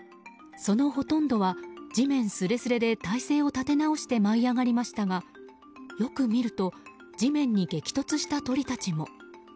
そのほとんどは地面すれすれで体勢を立て直して舞い上がりましたが、よく見ると地面に激突した鳥たちも。